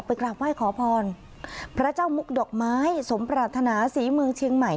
กราบไหว้ขอพรพระเจ้ามุกดอกไม้สมปรารถนาศรีเมืองเชียงใหม่